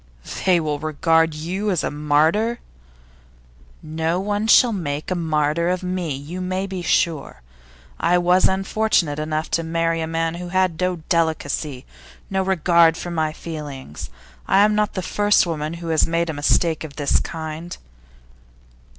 'They will regard you as a martyr?' 'No one shall make a martyr of me, you may be sure. I was unfortunate enough to marry a man who had no delicacy, no regard for my feelings. I am not the first woman who has made a mistake of this kind.